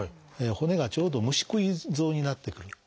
骨がちょうど虫食い像になってくる。